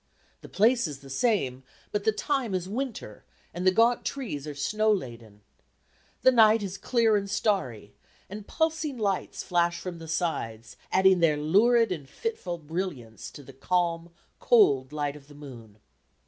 The place is the same, but the time is winter, and the gaunt trees are snow laden. The night is clear and starry, and pulsing lights flash from the sides, adding their lurid and fitful brilliance to the calm cold light of the moon.